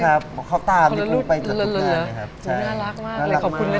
ออกมาเก็บไปมวยซึ่งดีใจอย่างนี้